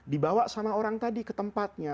dibawa sama orang tadi ke tempatnya